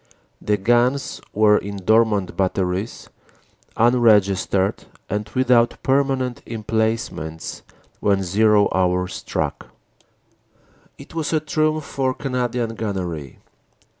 The guns were in dormant batteries, unregis tered and without permanent emplacements when "zero" hour struck. It was a triumph for Canadian gunnery.